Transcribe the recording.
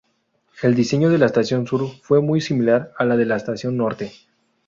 El diseño de la Estación Sur fue muy similar al de la Estación Norte.